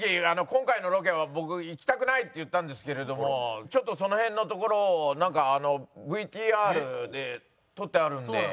今回のロケは僕行きたくないって言ったんですけれどもちょっとその辺のところをなんかあのＶＴＲで撮ってあるんで。